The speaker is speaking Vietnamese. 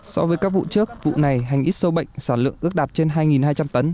so với các vụ trước vụ này hành ít sâu bệnh sản lượng ước đạt trên hai hai trăm linh tấn